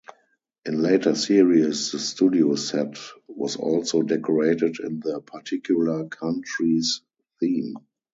In later series, the studio set was also decorated in the particular country's theme.